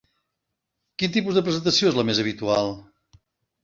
Quin tipus de presentació és la més habitual?